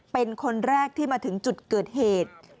เป็นคนแรกที่มาถึงจุดเกิดเหตุ